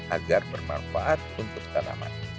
agar bermanfaat untuk tanaman